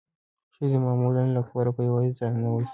ښځې معمولا له کوره په یوازې ځان نه وځي.